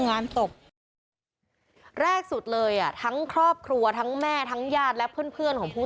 งานศพแรกสุดเลยอ่ะทั้งครอบครัวทั้งแม่ทั้งญาติและเพื่อนเพื่อนของผู้